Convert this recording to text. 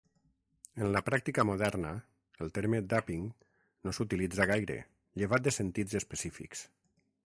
En la pràctica moderna, el terme "dapping" no s'utilitza gaire, llevat de sentits específics.